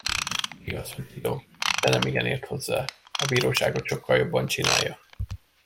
Igaz, hogy zsidó, de nem igen ért hozzá, a bíróságot sokkal jobban csinálja.